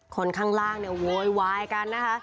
คนข้างล่างเนี่ยโวยวายกันนะคะ